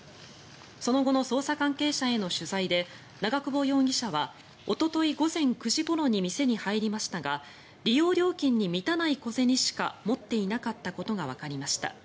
その後の捜査関係者への取材で長久保容疑者はおととい午前９時ごろに店に入りましたが利用料金に満たない小銭しか持っていなかったことがわかりました。